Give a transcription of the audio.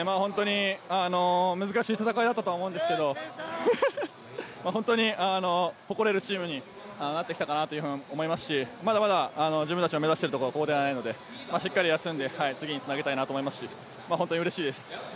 難しい戦いだったと思うんですけど、本当に誇れるチームになってきたかなと思いますしまだまだ自分たちが目指しているところはここではないので、しっかり休んで、次につなげたいと思いますし、本当にうれしいです。